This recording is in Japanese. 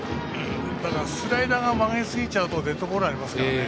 スライダーが曲げすぎちゃうとデッドボールありますからね。